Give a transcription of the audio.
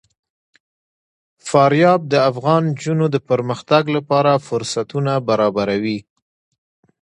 فاریاب د افغان نجونو د پرمختګ لپاره فرصتونه برابروي.